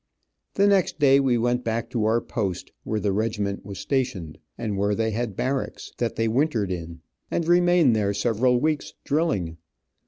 The next day we went back to our post, where the regiment was stationed, and where they had barracks, that they wintered in, and remained there several weeks, drilling.